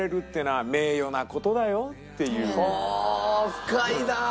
深いなあ。